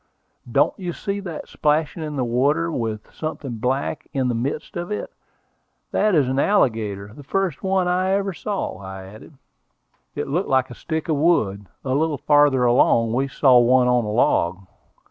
"Don't you see that splashing in the water, with something black in the midst of it? That is an alligator, the first one I ever saw," I added. It looked like a stick of wood. A little farther along we saw one on a log.